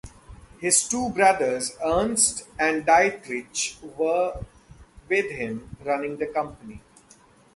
His two brothers, Ernst and Dietrich, were with him, running the company.